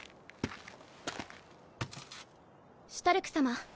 シュタルク様。